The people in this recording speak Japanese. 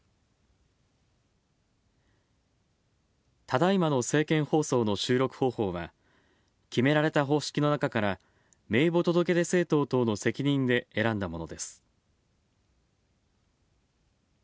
ただいまの政見放送の収録方法は、決められた方式の中から名簿届出政党等の責任で選んだものです。